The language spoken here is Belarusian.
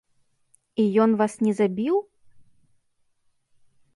І ён вас не забіў?